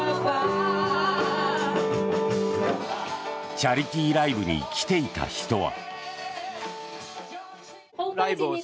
チャリティーライブに来ていた人は。